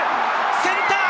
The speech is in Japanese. センター！